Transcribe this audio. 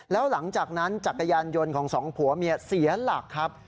แล้วหลังจากนั้นจักรยานยนต์ของสองผัวเมียเสียหลักครับ